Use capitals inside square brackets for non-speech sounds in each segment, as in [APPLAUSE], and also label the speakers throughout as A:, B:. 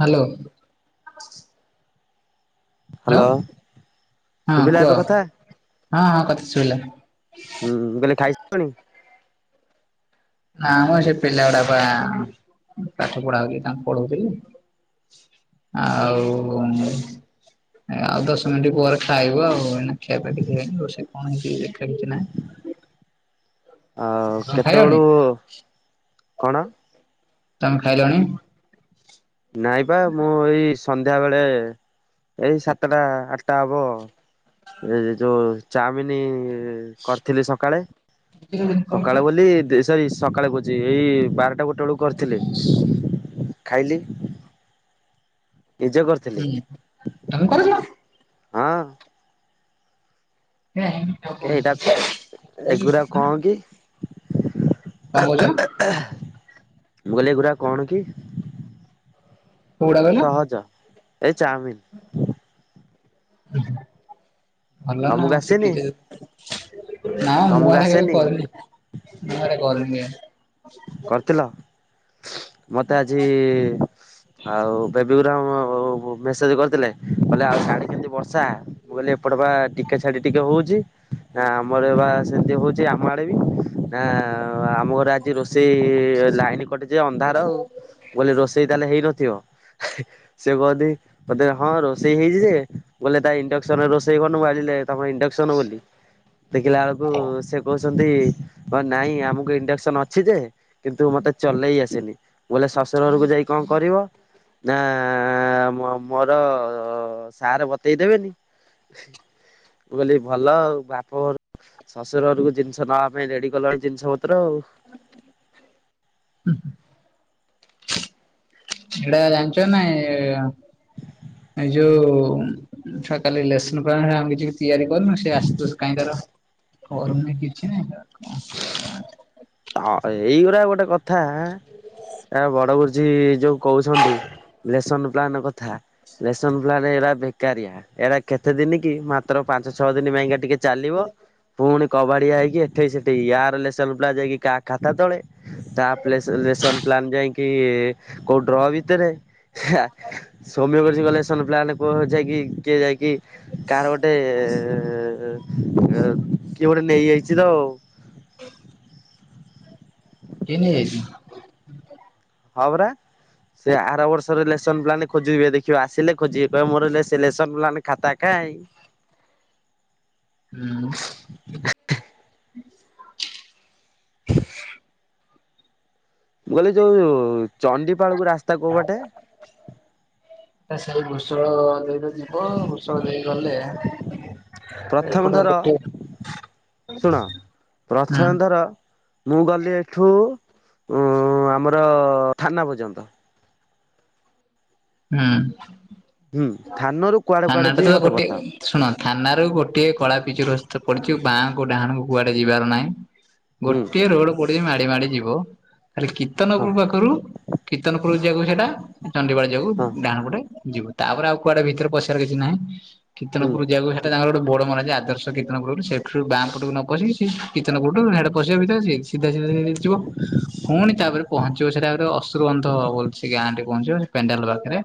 A: Hello. Hello. ହଁ
B: ଶୁଭିଲା
A: କୁହ
B: ଏବେ କଥା?
A: ହଁ ହଁ ପାଟି ଶୁଭିଲା।
B: ହୁଁ ହୁଁ ମୁଁ କହିଲେ ଖାଇ ସାଇଲଣି?
A: ନା ମ ସେ ପିଲାଗୁଡା ବା ପାଠ ପଢା ହଉଛି ତାଙ୍କୁ ପଢଉଥିଲି। ଆଉ ଆଉ ଦଶ ମିନିଟ୍ ପରେ ଖାଇବୁ ଆଉ ଏଇନେ ଖିଆ ପିଆ କିଛି ହେଇନି ରୋଷେଇ କଣ ହେଇଛି ଦେଖା କିଛି ନାଁ।
B: ଆଉ
A: ତମେ ଖାଇଲଣି
B: କେତେବେଳୁ କଣ।
A: ତମେ ଖାଇଲଣି?
B: ନାଇଁ ବା ମୁଁ ଏଇ ସନ୍ଧ୍ୟା ବେଳେ ଏଇ ସାତଟା ଆଠଟା ହବ ଏ ଯୋଉ ଚାଓମିିନି କରିଥିଲି ସକାଳେ
A: ହୁଁ ତମେ କରିନ?
B: ସକାଳେ ବୋଲି ଦିସ ସରି ସକାଳ କହୁଛି ଏଇ ବାରଟା ଗୋଟେ ବେଳକୁ କରିଥିଲି ଖାଇଲି। ନିଜେ କର ଥ
A: ହୁଁ ତମେ କରୁନ।
B: ହଁ
A: ନା କ
B: ଏଇଟା ଏଗୁରା କଣ
A: [INAUDIBLE]
B: କି
A: କଣ କହୁଛ?
B: ମୁଁ କହିଲି ଏଗୁରା କଣ କି?
A: କୋଉଗୁଡା କହିଲ?
B: ସହଜ ଏଇ ଚାଉମିନ।
A: ଭଲ ନା
B: ତମକୁ ଆସେନି
A: ଶିଖିଥିଲି। ନା ମୁଁ
B: ତମକୁ
A: ଆଗେ
B: ଆସେନି
A: କରନି ମୁଁ ଏଡେ କରନିଆ
B: କରିଥିଲ ମତେ ଆଜି ଆଉ ବେବି ଗୁରାମ ମେସେଜ କରିଥିଲେ? କହିଲେ ଆଉ ଶାଢୀ କେମିତି ବର୍ଷା ମୁଁ କହିଲି ଏପଟେ ବା ଟିକେ ଛାଢି ଟିକେ ହଉଛି। ଆ ଆମର ବା ସେମିତି ହଉଛି ଆମ ଆଡେ ବି ଆ ଆମ ଘରେ ଆଜି ରୋଷ ସି ଲାଇନ କଟିଛି ଅନ୍ଧାର ଆଉ ବୋଲେ ରୋଷେଇ ତାହେଲେ ହେଇନଥିବ। ସେ କହନି। ବୋଧେ ହଁ ରୋଷେଇ ହେଇଛି ଯେ ଗଲେ ତା ଇଣ୍ଡକ୍ସନ ରୋଷେଇ କରୁନୁ ମୁଁ ଆଜି ଲେଟ ହବ ଇଣ୍ଡକ୍ସନ ବୋଲି। ଦେଖିଲା ବେଳକୁ ସେ କହୁଛନ୍ତି ନାଇଁ ଆମକୁ ଇଣ୍ଡକ୍ସନ ଅଛ ଅଛି ଯେ କିନ୍ତୁ ମତେ ଚଲେଇ ଆସେନି ବୋଲେ ଶଶୁର ଘରକୁ ଯାଇ କଣ କରିବ? ନା ମୋ ମୋର ସାର ବତେଇ ଦେବେନି। ମୁ କହିଲି ଭଲ ଆଉ ବାପ ଘରୁ ଶ୍ୱଶୁର ଘରକୁ ଜିନିଷ ନେବା ପାଇଁ ରେଡି କଲଣି ଜିନିଷ ପତ୍ର ଆଉ।
A: ଏଇଟା ଜା ଜାଣିଛ ନାଇଁ ଏ ଯୋଉ ଛୁଆ କାଲି ଲେସନ ପାହା ଆମେ କିଛି ତିଆରି କରନୁ ସେ ଆସିଥିବ କାହିଁକାର କରୁନି କିଛି ନାଇଁ କଣ କରିବା।
B: ଅ ଏଇଗୁରା ଗୋଟେ କଥା ଏ ବଡ ଗୁରୁଜୀ ଯୋଉ କହୁଛନ୍ତି ଲେସନ ପ୍ଲାନ୍ କଥା। ରେସନ୍ ପ୍ଲାନ ଏଇଟା ବେକାରିଆ ଏଇଟା କେତେ ଦିନି କି ମାତ୍ର ପାଞ୍ଚ ଛଅ ଦିନ ପାଇଁକା ଟିକେ ଚାଲିବ ପୁଣି କବାଡିଆ ହେଇକି ଏଠେଇ ସେଠେଇ ୟାର ଲେସଲ ପ୍ଲା ଯାଇକି କାହା ଖାତା ତଳେ ତା ପ୍ଲେସ ରେସନ ପ୍ଲାନ ଯାଇକି କୋଉ ଡ୍ର ଭିତରେ ହି ଆ ସୌମ୍ୟ କରିଛି ଗଲେସନ ପ୍ଲାନ କୋହ ଯାଇକି କିଏ ଯାଇକି କି କାର ଗୋଟେ ଏ କିଏ ଗୋଟେ ନେଇଯାଇଛି ତ।
A: କିଏ ନେଇ ଯାଇଛି?
B: ହଁ ବରା ସେ ଆର ବର୍ଷରେ ଲେସନ ପ୍ଲାନ୍ ଖୋଜିବେ ଦେଖିବ ଆସିଲେ ଖୋଜିବେ କହିବ ମୋର ଲେସ ଲେସନ ପ୍ଲାନ୍ ଖାତା କାଇଁ?
A: ହୁଁ
B: ମୁଁ କହିଲି ଯୋଉ ଚଣ୍ଡିପାଳକୁ ରାସ୍ତା କୋଉ ବାଟେ
A: ସେଇ ଘୁଷଳ ଦେଇ ତ ଯିବ ଘୁଷଳ ଦେଇ ଗଲେ ଏପଟେ
B: ପ୍ରଥମଥର
A: ଗୋଟେ
B: ଶୁଣ
A: ହୁଁ
B: ପ୍ରଥମଥର ମୁଁ ଗଲି ଏଠୁ ଆମର ଥାନା ପର୍ଯ୍ୟନ୍ତ
A: ହୁଁ
B: ହୁଁ ଥାନ ରୁ କୁଆଡେ କୁଆଡେ
A: ଥାନାଟା
B: ଯିବି
A: ତ
B: ମତେ
A: ଗୋଟିଏ
B: ବତାଅ।
A: ଶୁଣ ଥାନାରୁ ଗୋଟେ କଳା ପିଚୁ ରାସ୍ତା ପଡିଛି ବାଁ କୁ ଡହାଣୁ କୁଆଡେ ଯିବାର ନାହିଁ।
B: ହୁଁ
A: ଗୋଟିଏ ରୋଡ ପଡ଼ିଚି ମାଡି ମାଡି ଯିବ ଖାଲି
B: ହଁ
A: କିର୍ତ୍ତନପୁର ପାଖରୁ କୀତ୍ତନପୁର ଯିବାକୁ ସେଇଟା ଚଣ୍ଣ୍ଡଡିିବାଳ ଯିବାକୁ
B: ହଁ
A: ଡାହାଣ ପୋଟେ ଯିବୁ ତାପରେ ଆଉ କୁଆଡେ ଭିତରେ ପଶିବାର କିଛି ନାହିଁ
B: ହୁଁ
A: କୀର୍ତନପୁର ଯିବାକୁ ତାଙ୍କର ଗୋଟେ ବର୍ଡ ମରାହଇଛି ଆଦର୍ଶ କିର୍ତ୍ତନଟରୁ ସେଠୁ ବାଁ ପଟକୁ ନ ପଶିକି କୀର୍ତ୍ତନଟୁଡ ପଶେଇିବା ଭିତରେ ସେ [UNINTELLIGIBLE] ସିଧା ସିଧା ସଯିବ [UNINTELLIGIBLE] ପୁଣି ତାପରେ ପହଞ୍ଚିବ ସେଟାରେ ଅସୁରଗନ୍ଧବ ବୋଲି ସେ ଗାଁ ପହଞ୍ଚିବ ସେ ପେଣ୍ଡାଲ ବା ରେ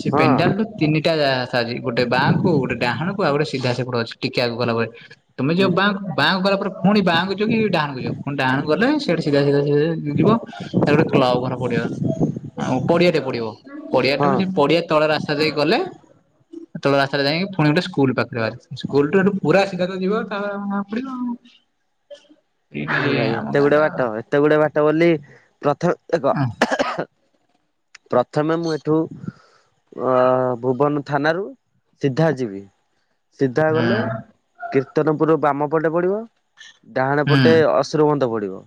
A: ସେ
B: ହଁ
A: ପେଣ୍ଟାଲ୍ ରେ ତିନିଟା ରାସ୍ତା ଅଛି ଗୋଟେ ବାଁ କୁ ଗୋଟେଡାହାଣକୁ ଆଉ ଗୋଟେ ସିଧା ସେପଟେ ଅଛି ଟିକେ ଆଗକୁ ଗଲା ପରେ ତୁମେ ଯିବ
B: ହୁଁ
A: ବାଙ୍କୁ [UNINTELLIGIBLE] ବାଁକୁ ଗଲା ପରେ ପୁଣି ବାଁକୁ ଯିବ କି ଡାହାଣକୁ ଯାଉ ପୁଣି ଡାହାକୁ ଗଲେ ସେଇଠି ସିଧା ସିଧା ସି ଯିବ। ତାପରେ ଗୋଟେ କ୍ଲବ ଘର ପଡିିବ ଆଉ ପଡିଆ ଟେ ପଡିବ। ପଡିଆଠୁ
B: ହଁ
A: ସେ ପଡିଆ ତଳ ରାସ୍ତା ଯାଇକି ଗଲେ ତଳ ରାସ୍ତାରେ ଯାଇଁକି ପୁଣି ଗୋଟେ ସ୍କୁଲ ପାଖ ସ୍କୁଲ୍ ଠୁ ପୁରା ସିଧା ଯିବ ପଡିବ ଆ
B: ଏ
A: [UNINTELLIGIBLE]
B: ଭାଇ
A: [UNINTELLIGIBLE] ଆମ
B: ଏତେ ଗୁଡେ
A: ଗାଁର
B: ବାଟ
A: [UNINTELLIGIBLE]
B: ଏତେ ଗୁଡେ ବାଟ ବୋଲି ପ୍ରଥମେ ଏକ ପ୍ରଥମେ ମୁଁ ଏଠୁ ଅ ଭୁବନ ଥାନାରୁ ସିଧା ଯିବି। ସିଧା ଗଲେ
A: ହୁଁ
B: କୀର୍ତ୍ତନପୁର ବାମ ପଟେ ପଡିବ ଡାହାଣ ଟେ ଅଶୁର ବନ୍ଦ ପଡିବ।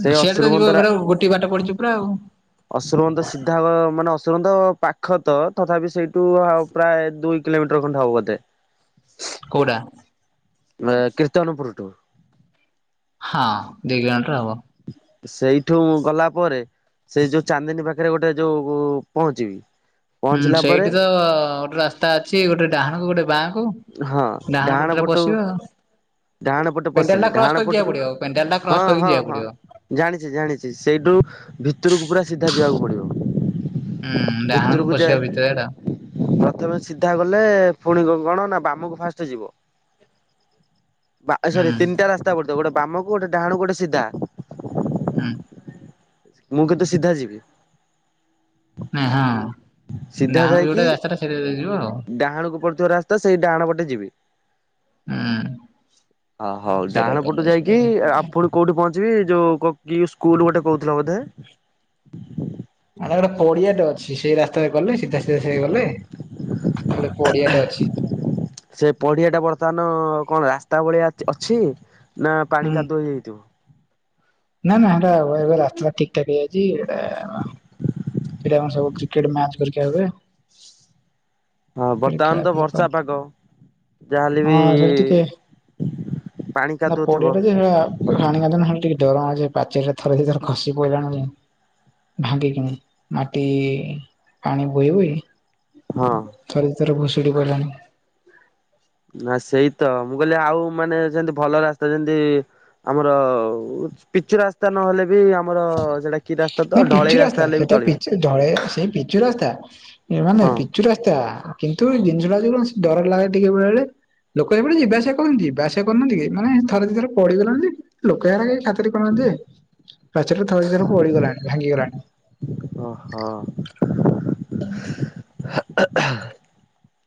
B: ସେଇ
A: ସିଆଡ଼େ ତ
B: ଅସୁରବନ୍ଧ
A: ଯିବ ପୁରା ଗୋଟଏ ବାଟ ପଡ଼ିଚି ପୁରା ଆଉ
B: ଅଶୁରମନ୍ତ ସିଧା ମାନେ ଅଶୁରନ୍ଧ ପାଖ ତ ତଥାପି ସେଇଠୁ ଆ ପ୍ରାୟ ଦୁଇ କିଲୋମିଟର ଖଣ୍ଡେ ହବ ବଧେ।
A: କଉଟା।
B: କୀର୍ତ୍ତନପୁରଠୁ
A: ହଁ ଦି କିଲୋମିଟର ହବ।
B: ସେଇଠୁ ମୁଁ ଗଲା ପରେ ସେଇ ଯୋଉ ଚାନ୍ଦିନୀ ପାଖରେ ଗୋଟେ ଯୋଉ ପହଞ୍ଚିବି।
A: ହୁଁ
B: ପହଞ୍ଚିଲା ପରେ
A: ସେଇଠି ତ ଗୋଟେ ରାସ୍ତା ଅଛି ଗୋଟେ ଡାହାଣ କୁ ଗୋଟେ ବାଁ କୁ
B: ହଁ
A: ଡାହାଣ ପଟରେ
B: ପଟୁ
A: ପଶିବ
B: ଡାହାଣ
A: ଆଉ
B: ପଟେ
A: ପେଣ୍ଡାଲ୍
B: ପଶିଲି
A: ଟା
B: ଡାହାଣ
A: କ୍ରସ କରିକି
B: ପଟରୁ
A: ଯିବାକୁ ପଡିବ ପେଣ୍ଡାଲ୍ ଟା
B: ହଁ
A: କ୍ରସ କରିକି
B: ହଁ
A: ଯିବାକୁ
B: ହଁ
A: ପଡିବ।
B: ଜାଣିଛି ଜାଣିଛି ସେଇଠୁ ଭିତରକୁ ପୁରା ସିଧା ଯିବାକୁ ପଡିବ।
A: ହୁଁ ଡାହାଣକୁ
B: ଭିତରକୁ ଜା
A: ପଶିବା ଭିତରେ ଏଟା
B: [UNINTELLIGIBLE] ପ୍ରଥମେ ସିଧା ଗଲେ ପୁଣି କଣ ନା ବାମକୁ ଫାଷ୍ଟ ଯିବ। ଏ
A: ହୁଁ
B: ସରି ତିନିଟା ରାସ୍ତା ପଡିଥିବ ଗୋଟେ ବାମକୁ ଗୋଟେ ଡାହାଣକୁ ଗୋଟେ ସିଧା
A: ହୁଁ
B: ମୁଁ କିନ୍ତୁ ସିଧା ଯିବି।
A: ନ ହଁ ଡାହାଣାକୁ ଗୋଟେ ରାସ୍ତାଟା ସେ ଯିବ ଆଉ
B: ଡହାଣକୁ ପ [UNINTELLIGIBLE] ଯୋଉ ରାସ୍ତା ସେଇ ଡାହଣ ପଟେ ଯିବି।
A: ହୁଁ
B: ହ ହଉ
A: ସେଇଟା
B: ଡାହାଣ
A: କଲେ
B: ପଟୁ
A: ସେଇଟା
B: ଯାଇକି
A: ହେଇଯିବ ଆଉ।
B: ଆପଣ କେଉଁଠି ପହଞ୍ଚିବି ଯୋଉ କି ସ୍କୁଲ୍ ଗୋଟେ କହୁଥିଲା ବୋଧେ?
A: ଆର ପଡିଆଟେ ଅଛି ସେଇ ରାସ୍ତାରେ ଗଲେ ସିଧା ସିଧା ସେ ଗଲେ ଗୋଟେ ପଡିଆଟେ ଅଛି।
B: ସେ ପଡିଆ ଟା ବର୍ତ୍ତମାନ କଣ ରାସ୍ତା ଭଳିଆ ଅ ଅଛି ନା ପାଣି
A: ହୁଁ
B: କାଦୁଅ ହେଇଯାଇଥିବ?
A: ନା ନା ହେଟା ରାସ୍ତା ଠିକି ଠାକ ହେଇଯାଇଚି ଏଇଟା ହେଇଟା କଣ ସବୁ କ୍ରିକେଟ ମ୍ୟାଚ ପରିକା ହୁଏ। [UNINTELLIGIBLE]
B: ହଁ
A: ଫି ଫ୍ୟା
B: ବର୍ତ୍ତମାନ ତ
A: କି କଣ?
B: ବର୍ଷା ପାଗ। ଯାହାହେଲେ ବି
A: ହଁ ସେଟା ଟିକେ
B: ପାଣି
A: ନା
B: କାଦୁଅ ଥିବ
A: ପଡିଆ ଟା ଯେ ସେଟା ପାଣି କା ହେ ଟିକେ ଡରଉେ [UNINTELLIGIBLE] ପାଚ ରେ ଥରେ ସେ ଥର ଖସି ପଇଲାଣି। ଭାଙ୍ଗିକି ମାଟି ପାଣି ବୋହି ବୋହି
B: ହଁ।
A: ଥରେ ଦି ଥର ଭୁଶୁଡ଼ି ପଇଲାଣି।
B: ନା ସେଇତ ମୁଁ କହିଲି, ଆଉ ମାନେ ସେନ୍ତି ଭଲ ରାସ୍ତା ଯେଏନ୍ତି ଆମର ପିଚୁ ରାସ୍ତା ନହେଲେ ବି ଆମ
A: ନା ପିଚୁ ରାସ୍ତା
B: ହେଲେ ବି
A: ସେଟା
B: ଚଳିବ।
A: ପିଚୁ ଢଳେଇ ସେଇ ପିଚୁ ରାସ୍ତା ମାନେ
B: ହଁ
A: ପିଚୁ ରାସ୍ତା କିନ୍ତୁ ଜିନିଷଟା ଯ [UNINTELLIGIBLE] କଣ ଡର ଲାଗେ ଟିକେ ବେଳେବେଳେ ଲୋକ ଏପଟେ ଯିବା ଆସିବା କରନ୍ତି, ଜିବା୍ୟାସ୍ୟା କରୁନାହାନ୍ତିକି ମାନେ ଥରେ ଦି ଥରେ ପଡିଗଲାଣି ଯେ ଲୋକ ଏରା କେହି ଖାତିରି କରୁ ନଥିବେ। ପାଚେରୀ ରୁ ଥରେ ଦି ଥର ପଡିଗଲା ଭାଙ୍ଗିଗଲାଣି।
B: ଅ ହ।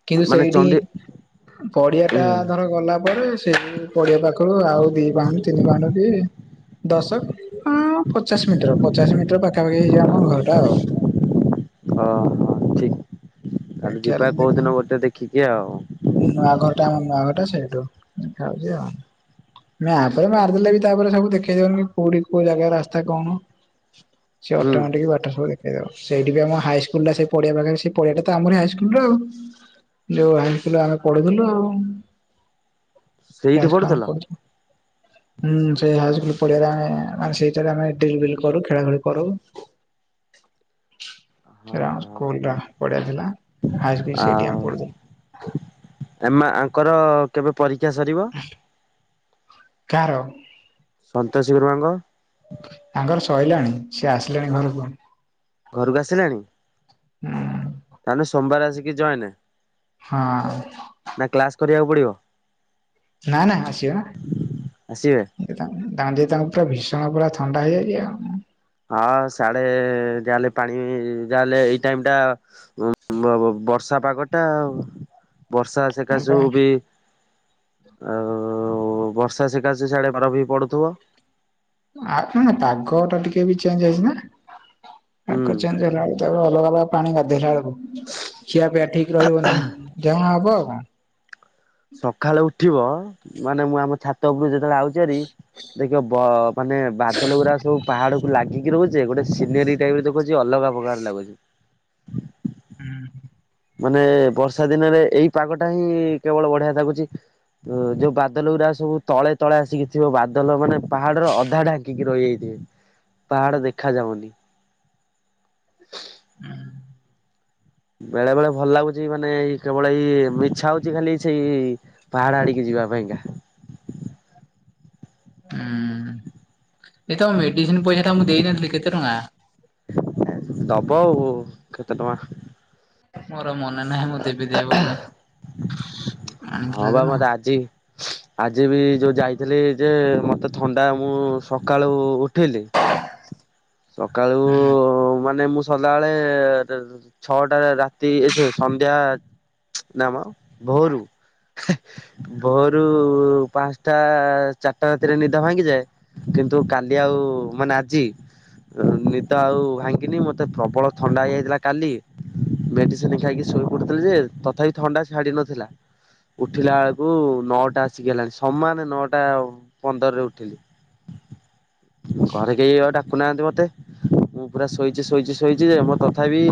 A: କିନ୍ତୁ
B: ମାନେ
A: ସେଇଠି
B: ଚଣ୍ଡି
A: ପଡିଆଟା
B: ଓହୋ
A: ଧର ଗଲା ପରେ ସେ ପଡିିଆ ପାଖରୁ ଆଉ ଦି ପାହୁଣ୍ଡୁ ତିନି ପାହୁଣ୍ଡୁ ଟିଏ ଦଶ, ହୁଁ ପଚାଶ ମିଟର ପଚାଶ ମିଟର ପାଖାପାଖି ହେଇଯିବ ଆମ ଘରଟା ଆଉ।
B: ଅ ହ ଠିକି ତାହଲେ
A: ଏଠି ଆଡେ
B: ଯିବା
A: ଦେଖ
B: କୋଉଦିନ ଗୋଟେ ଦେଖିକି ଆଉ।
A: ନୂଆ ଘର ଟା ଆମ ନୂଆଘର ଟା ସେଇଠୁ ଦେଖାଉଚି ଆଉ। ମାପ୍ ମାରିଦେଲେ ବି ତାପରେ ସବୁ ଦେଖେଇ ଦବନି କୋଉଠି କୋଉ ଜାଗା ରାସ୍ତା କଣ? ସେ
B: ହୁଁ
A: ଅଟୋମେଟିକ ବାଟ ସବୁ ଦେଖେଇଦବ ସେଇଠି ବି ଆମ ହାଇସ୍କୁଲୁ, ସେ ପଡିଆ ପାଖରେ ସେ ପଡିଆ ତ ଆମରି ହାଇସ୍କୁଲ ଟା ଆଉ ଯୋଉ ଆମେ [UNINTELLIGIBLE] ପଢ଼ୁଥିଲୁ ଆଉ। [UNINTELLIGIBLE]
B: ସେଇଠି ପଢୁଥିଲ?
A: କଲାମ କରଚ। ହୁଁ ସେ ହାଇସ୍କୁଲୁ ପଡ଼ିଆ ରେ ଆମେ ଆମେ ସେଇଥିରେ ଆମେ ଡ୍ରିଲ୍ ଫ୍ରିଲି କରୁ ଖେଳା ଖେଳି କରୁ।
B: [UNINTELLIGIBLE]
A: ସେଟା ଆମ
B: ହଁ
A: ସ୍କୁଲୁ ଟା ପଡିଆ ଥିଲା ହାଇ ସ୍କୁଲ୍ ସେଇଠି ଅମେ ପଢୁଥିଲୁ।
B: ଏମ୍ ଆଙ୍କର କେବେ ପରୀକ୍ଷା ସରିବ?
A: କାହାର?
B: ସନ୍ତୋଷ ଗରୁମାଙ୍କ।
A: ତାଙ୍କର ସଇଲାଣି ସେ ଆସିଲାଣି ଘରକୁ।
B: ଘରକୁ ଆସିଲାଣି, ତାହେଲେ ସୋମବାର ଆସିକି ଜଏନେ।
A: ହଁ।
B: ନା କ୍ଲାସ କରିବାକୁ ପଡିବ।
A: ନା ନା ଆସିବେ
B: ଆସିବେ?
A: ନା। ଦା ତା [UNINTELLIGIBLE] ପୁରା ଭୀଷଣ ପୁରା ଥଣ୍ଡା ହେଇଯାଇଚି ଆଉ।
B: ହଁ ସାଡେ ଯାହାହେଲେ ପାଣି ଯାହାହେଲେ ଏଇ ଟାଇମି ଟା ଉ ବ ବର୍ଷା ପାଗ ଟା ଆଉ। ବର୍ଷା ସେକା ସୁ ବି। ଆଉ ବର୍ଷା ସିକାଶ ସାଢେ ବରଫ ବି ପଡୁଥିବ।
A: ଆଉ ନ ପାଗ ଟା ଟିକେ ବି ଚେଞ୍ଜ ହେଇଛି ନା?
B: ହୁଁ।
A: ପାଗ ଚେଞ୍ଜ ହେଲା ବେଳକୁ ତାକୁ ଅଲଗା ଅଲଗା ପାଣି ଗାଧେଇଲା ବେଳକୁ। ଖିଆ ପିଆ ଠିକ ରହିବନି ଜହା ହବ ଆଉ କଣ।
B: ସକାଳେ ଉଠିବ ମାନେ ମୁଁ ଆମ ଛାତ ଉପରକୁ ଯେତେବେଳେ ଆଉଚି ଭାରି ଦେଖିବ ମାନେ ବାଦଲ ଗୁଡା ସବୁ ପାହାଡ ଲାଗିକି ରହୁଛି ଯେ ଗୋଟେ ସିନେରୀ ଟାଇପର ଦେଖୁଛି ଅଲଗା ପ୍ରକାର ଲାଗୁଛି।
A: ହୁଁ।
B: ମାନେ ବର୍ଷା ଦିନରେ ଏଇ ପାଗଟା ହିଁ କେବଳ ବଢିଆ ଲାଗୁଛି। ଓ ଯୋଉ ବାଦଲ ଗୁଡା ସବୁ ତଳେ ତଳେ ଆସିକି ଥିବ ବାଦଲ ମାନେ ପାହାଡର ଅଧା ଢାଙ୍କିକି ରହିଯାଇଥିବ। ପାହାଡ ଦେଖା ଯାଉନି।
A: ହୁଁ।
B: ବେଳେ ବେଳେ ଭଲ ଲାଗୁଛି ମାନେ ଏଇ କେବଳ ଏଇ ମିଛା ହଉଛି ଖାଲି ସେଇ ପାହାଡ ଆଡିକି ଯିବା ପାଇଁକା।
A: ହୁଁ ଏ ତମ ମେଡିସିନ ପଇସା ଟା ମୁଁ ଦେଇ ନଥିଲି କେତେ ଟଙ୍କା?
B: ଦବ ଆଉ କେତେ ଟଙ୍କା।
A: ମୋର ମନେ ନାହିଁ ମୁଁ ଦେବି ଦେବି ବୋଲି। ଆଣିଥିଲା
B: ହଁ ବା
A: ଦିନ
B: ମତେ ଆଜି ଆଜି ବି ଯୋଉ ଯାଇଥିଲି ଯେ ମତେ ଥଣ୍ଡା ମୁଁ ସକାଳୁ ଉଠିଲି। ସକାଳୁ ମାନେ ମୁଁ ସଦାବେଳେ ଛଅଟାରେ ରାତି ଏ ସନ୍ଧ୍ୟା ନାମ ଭୋରୁ। ଭୋରୁ ପାଞ୍ଚଟା ଚାରିଟା ରାତିରେ ନିଦ ଭାଙ୍ଗିଯାଏ। କିନ୍ତୁ କାଲି ଆଉ ମାନେ ଆଜି। ନିଦ ଆଉ ଭାଙ୍ଗିନି ମତେ ପ୍ରବଳ ଥଣ୍ଡା ହେଇଯାଇଥିଲା କାଲି। ମେଡିସିନ ଖାଇକି ଶୋଇ ପଡୁଥିଲେ ଯେ ତଥାପି ଥଣ୍ଡା ଛାଡି ନଥିଲା। ଉଠିଲା ବେଳକୁ ନଅଟା ଆସିକି ହେଲାଣି ସମାନ ନଅଟା ପନ୍ଦରରେ ଉଠିଲି ଘରେ କେହି ଆଉ ଡାକୁନାହାନ୍ତି ମତେ। ମୁଁ ପୁରା ଶୋଇଛି ଶୋଇଛି ଶୋଇଛି ଯେ ମୋର ତଥାପି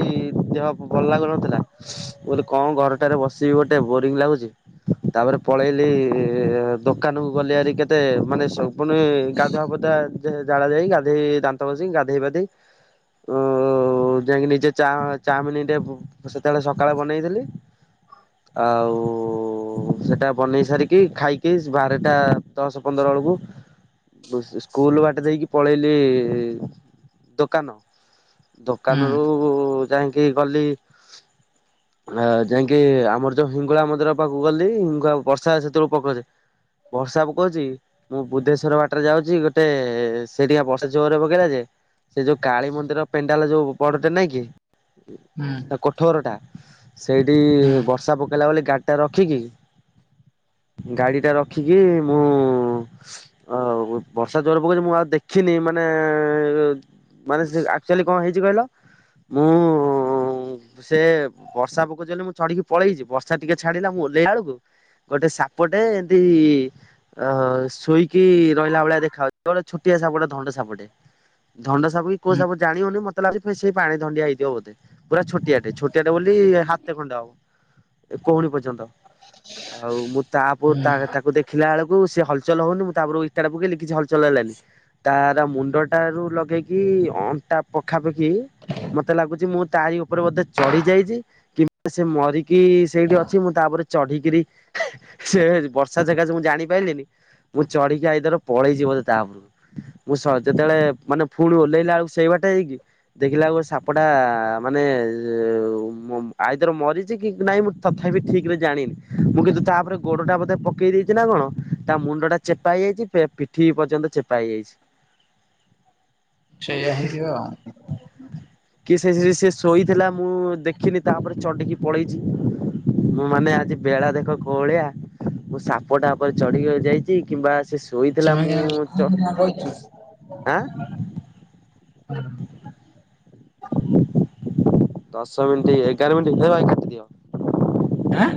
B: ଦେହ ଭଲ ଲାଗୁନଥିଲା। ମୁ କହିଲି କଣ ଘରଟାରେ ବସିବି ଗୋଟେ ବୋରିଙ୍ଗ ଲାଗୁଛି। ତାପରେ ପଳେଇଲି ଦୋକାନ କୁ ଗଲି ଆରି କେତେ ମାନେ ପୁଣି ଗାଧୁଆ ପାଧୁଆ ଜା ଜାଡା ଯାଇ ଗାଧୋଇ ଦାନ୍ତ ଘସିକି ଗାଧେଇ ପାଧେଇ ଓ ଯାଇକି ନିଜେ ଚା ଚାମିନିରେ ସେତେବେଳେ ସକାଳେ ବନେଇଥିଲି। ଆଉ ସେଟା ବନେଇ ସାରିକି ଖାଇକି ବାରଟା ଦଶ ପନ୍ଦର ବେଳକୁ ସ୍କୁଲ ବାଟ ଦେଇକି ପଳେଇଲି ଦୋକାନ
A: ହୁଁ
B: ଦୋକାନରୁ ଯାଇକି ଗଲି [UNINTELLIGIBLE] ଆ ଯାଇକି ଆମର ଯୋଉ ହିଙ୍ଗୁଳା ମନ୍ଦିର ପାଖକୁ ଗଲି ହିଙ୍ଗୁଳା ବର୍ଷା ସେତେବେଳକୁ ପକଉ ଥାଏ। ବର୍ଷା କହୁଛି ମୁଁ ବୁଦ୍ଧେଶ୍ଵର ବାଟରେ ଯାଉଛି ଗୋଟେ ସେଠିକା ବର୍ଷା ଜୋରେ ପ ଯେ ସେ ଯୋଉ କାଳୀ ମନ୍ଦିର ପେଣ୍ଡାଲ ଯୋଉ ବଡଟେ ନାଇଁ କି
A: ହୁଁ
B: ତା ଠୋରଟା ସେଇଠି
A: ହୁଁ
B: ବର୍ଷା ପକେଇଲା ବୋଲି ଗାଡ଼ିଟା ରଖିକି ଗାଡିଟା ରଖିକି ମୁଁ ହଉ ବର୍ଷା ଜୋର ପକଉଛି ମୁଁ ଆଉ ଦେଖିନି ମାନେ ମାନେ ସେ ଏକ୍ଚୁଲି କଣ ହେଇଛି କହିଲ। ମୁଁ ସେ ବର୍ଷା ପକଉଛି ବୋଲି ମୁଁ ଚଢିକି ପଳେଇଛି, ବର୍ଷା ଟିକେ ଛାଡିଲା ମୁଁ ଓହ୍ଲେଇଲ ବେଳକୁ ଗୋଟେ ସାପଟେ ଏମତି ଓ ଶୋଇକି ରହିଲା ଭଳିଆ ଦେଖା ଯାଉଛି ଗୋଟେ ଛୋଟିଆ ସାପଟେ ଧଣ୍ଡା ସାପଟେ। ଧଣ୍ଡା ସାପ କି କୋଉ
A: ହୁଁ
B: ସାପ ଜାଣି ହଉ ନି ମତ୍ ମତେ ଲାଗୁଛି ସେଇ ପାଣି ଧଣ୍ଡିଆ ହେଇଯିବ ବୋଧେ, ପୁରା ଛୋଟିଆଟେ ଛୋଟିଆଟେ ବୋଲି ହାତେ ଖଣ୍ଡେ ହବ। ଏ କାଉଣି ପର୍ଯ୍ୟନ୍ତ ଆଉ ମୁଁ
A: ହୁଁ
B: ତାପରେ ତାକୁ ଦେଖି ଖିଲା ବେଳକୁ ସେ ହଲଚଲ ହଉନି ମୁଁ ତା ଉପରୁ ଇଟା ଟା ପକେଇଲି କିଛି ହଲଚଲ ହେଲାନି। ତାର ମୁଣ୍ଡ ଅଟାରୁ ଲଗେଇକି ଅଣ୍ଟା ପଖାପାଖି ମତେ ଲାଗୁଛି ମୁଁ ତାରି ଉପରେ ବୋଧେ ଚଢ଼ି ଯାଇଛି। କିମ୍ବା ସେ ମରିକି ସେଇଠି ଅଛି ମୁଁ ତା ଉପରେ ଚଢ଼ି କରି। ସେ ବର୍ଷା ଜାଗା ଯେ ମୁଁ ଜାଣି ପାରିଲିନି। ମୁଁ ଚଢିକି ଆଇଦର ପଳେଇଛି ବୋଧେ ତା ଉପରୁ। ମୁଁ ସ ଯେତେବେଳେ ମାନେ ପୁଣ ଓହ୍ଲେଇଲା ବେଳକୁ ସେଇ ବାଟେ ହେଇକି। ଦେଖିଲା ମୋର ସାପ ଟା ମାନେ ମୋ, ଆଇଦର ମରିଛି କି ନାଇଁ ମୁଁ ତଥାପି ଠିକରେ ଜାଣିନି ମୁଁ କିନ୍ତୁ ତାପରେ ଗୋଡ ଟା ବୋଧେ ପକେଇ ଦେଇଛି ନା କଣ ତା ମୁଣ୍ଡ ଟା ଚେପା ହେଇଯାଇଛି। ଫେର ପିଠି ପର୍ଯ୍ୟନ୍ତ ଚେପା ହେଇଯାଇଛି।
A: ସେଇୟା ହେଇ ଥିବା ଆଉ।
B: [UNINTELLIGIBLE] କି ସେ ସେ ଶୋଇଥିଲା ମୁଁ ଦେଖିନି ତା ଉପରେ ଚଢିକି ପଳେଇଛି। ମାନେ ଆଜି ବେଳା ଦେଖ କୋହଳିଆ। ମୁଁ ସାପଟା ଉପରେ ଚଢିକି ଯାଇଛି କିମ୍ବା ସେ ଶୋଇଥିଲା ମୁଁ ଚ
A: ହଁ ରହିଛିି।
B: ଆଁ [UNINTELLIGIBLE] ଦଶ ମିନଟି ଏଗାର ମିନଟି କାଟି ଦିଅ।
A: ଆଁ